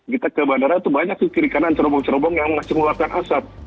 kita ke bandara tuh banyak ke kiri kanan cerobong cerobong yang ngasih mengeluarkan asap